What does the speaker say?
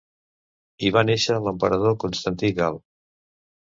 Hi va néixer l'emperador Constantí Gal.